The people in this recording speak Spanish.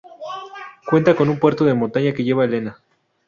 Cuenta con un puerto de montaña que lleva a Elena.